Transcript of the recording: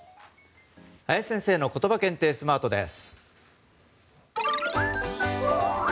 林先生のことば検定スマートです。